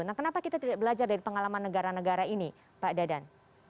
nah kenapa kita tidak belajar dari pengalaman negara negara ini pak dadan